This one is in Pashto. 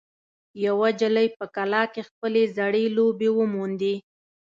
یوه نجلۍ په کلا کې خپلې زړې لوبې وموندې.